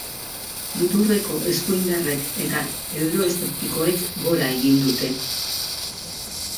Muturreko eskuindarrek eta euroeszeptikoek gora egin dute.